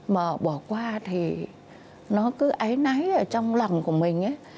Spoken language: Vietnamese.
mà bỏ qua thì nó cứ ái nái ở trong lòng của mình ấy